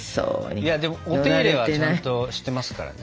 いやでもお手入れはちゃんとしてますからね。